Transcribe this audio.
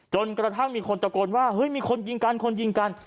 จนกระทั่งมีคนตะโกนว่าเฮ้ยมีคนยิงกันคนยิงกัน